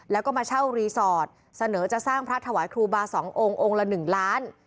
แล้วก็มาเช่ารีสอร์ทเสนอจะสร้างพระถวายครูบา๒องค์องค์ละ๑ล้าน